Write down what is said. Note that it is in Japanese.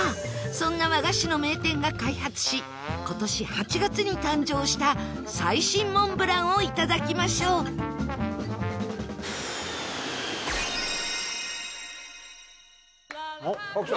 そんな和菓子の名店が開発し今年８月に誕生した最新モンブランをいただきましょう伊達：きた！